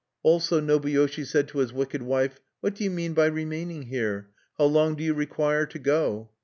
Also Nobuyoshi said to his wicked wife: "What do you mean by remaining here? How long do you require to go?"